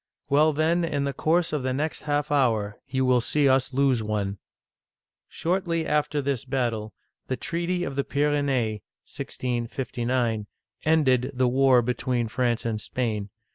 "Well, then, in the, course of the next half hour, you will see us lose one !" Shortly after this battle, the treaty of the Pyrenees (1659) ended the war between France and Spain.